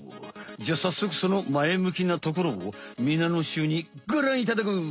じゃあさっそくその前向きなところをみなのしゅうにごらんいただこう！